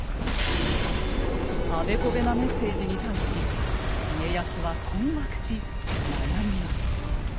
あべこべなメッセージに対し家康は困惑し悩みます。